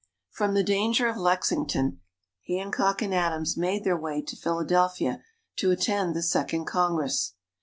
From the danger of Lexington, Hancock and Adams made their way to Philadelphia to attend the Second Congress.